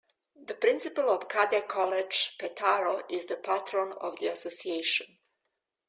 The Principal of Cadet College Petaro is the Patron of the Association.